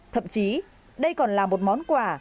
thậm chí đây còn là một món quà